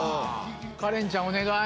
カレンちゃんお願い。